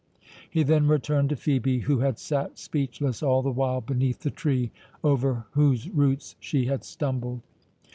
He then returned to Phœbe, who had sate speechless all the while beneath the tree over whose roots she had stumbled.